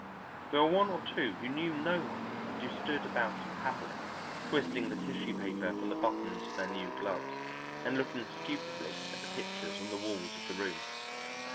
There were one or two who knew no one and who stood about unhappily, twisting the tissue paper from the buttons of their new gloves, and looking stupidly at the pictures on the walls of the room.